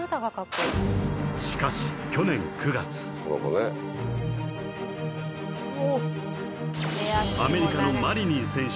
しかし去年９月アメリカのマリニン選手